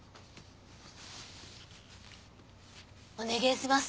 お願えします。